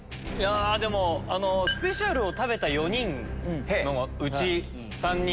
でもスペシャルメニューを食べた４人のうち３人。